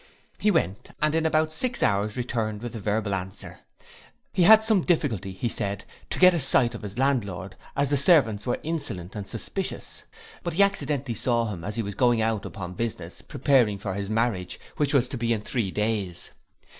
He went, and in about six hours returned with a verbal answer. He had some difficulty, he said, to get a sight of his landlord, as the servants were insolent and suspicious; but he accidentally saw him as he was going out upon business, preparing for his marriage, which was to be in three days.